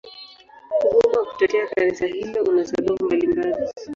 Ugumu wa kutetea Kanisa hilo una sababu mbalimbali.